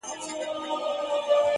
ته به په فکر وې، چي څنگه خرابيږي ژوند.